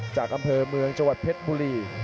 จากกำเทอร์เมืองจวดเพชรบุรี